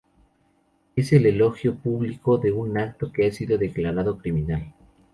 Es el elogio público de un acto que ha sido declarado criminal.